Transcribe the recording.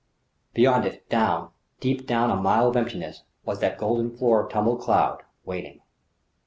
Beyond it, down, deep down a mile of emptiness, was that golden floor of tumbled cloud, waiting